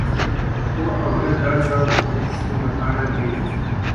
هو او نه دا ځواب د دې پوښتنې لپاره دی.